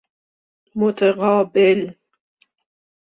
متقابل